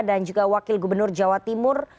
dan juga wakil gubernur jawa timur